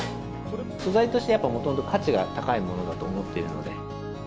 素材としてやっぱ、もともと価値が高いものだと思っているので。